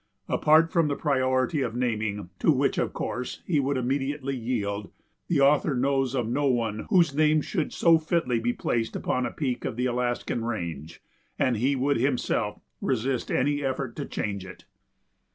Apart from the priority of naming, to which, of course, he would immediately yield, the author knows of no one whose name should so fitly be placed upon a peak of the Alaskan range, and he would himself resist any effort to change it.